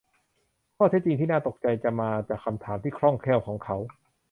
ข้อเท็จจริงที่น่าตกใจจะมาจากคำถามที่คล่องแคล่วของเขา